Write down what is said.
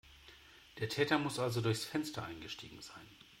Der Täter muss also durchs Fenster eingestiegen sein.